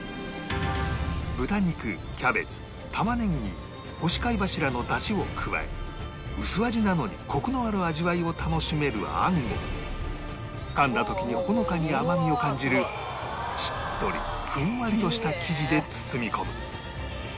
豚肉キャベツ玉ねぎに干し貝柱の出汁を加え薄味なのにコクのある味わいを楽しめる餡を噛んだ時にほのかに甘みを感じるしっとりふんわりとした生地で包み込む